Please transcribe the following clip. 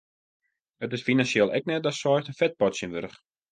It is finansjeel ek net datst seist in fetpot tsjinwurdich.